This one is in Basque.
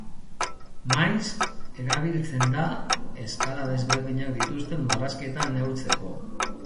Maiz erabiltzen da eskala desberdinak dituzten marrazkietan neurtzeko.